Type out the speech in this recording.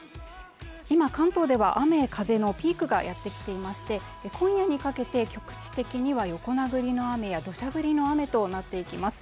今関東では雨・風のピークがやってきていまして今夜にかけて局地的には横殴りの雨やどしゃ降りの雨となっていきます。